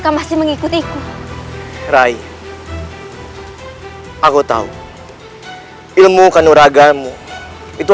kalau begitu aku pamit